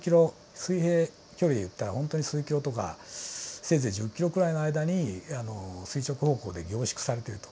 水平距離でいったらほんとに数キロとかせいぜい１０キロくらいの間に垂直方向で凝縮されていると。